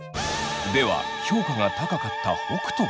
では評価が高かった北斗。